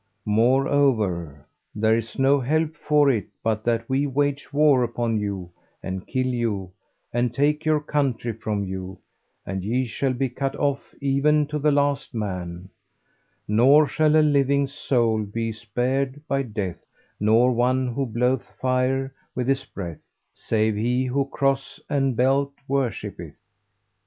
Moreover, there is no help for it but that we wage war upon you and kill you and take your country from you, and ye shall be cut off even to the last man, nor shall a living soul be spared by Death nor one who bloweth fire with his breath, save he who Cross and Belt[FN#378] worshippeth.'